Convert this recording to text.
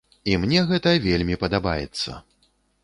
І мне гэта вельмі падабаецца!